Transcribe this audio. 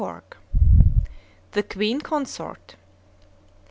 XVIII. THE QUEEN CONSORT.